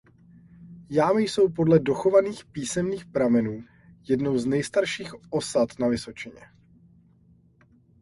Jámy jsou podle dochovaných písemných pramenů jednou z nejstarších osad na Vysočině.